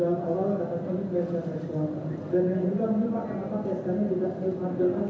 terima kasih pak